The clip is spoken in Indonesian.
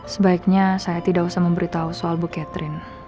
sebaiknya saya tidak usah memberitahu soal bu catherine